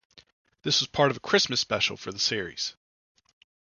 This was part of a Christmas special for the series.